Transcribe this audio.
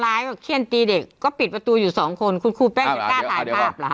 ครับใบหน้าของเด็กคือปกติมากตามรูปที่หนูได้ถ่ายส่งให้คุณยายดูในวัฒนธรรม